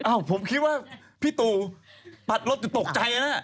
ผมคิดว่าพี่ตู่ปัดรถจะตกใจนะ